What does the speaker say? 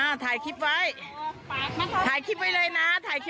อ้าวแล้วคุณมีเสียงอะไรคะ